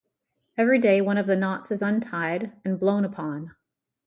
Every day one of the knots is untied and blown upon.